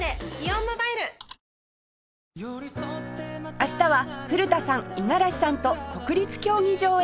明日は古田さん五十嵐さんと国立競技場へ